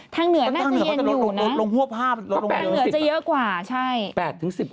ทางเหนือน่าจะเย็นอยู่นะทางเหนือจะเยอะกว่า